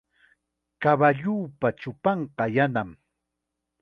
Kawalluupa chupanqa yanam.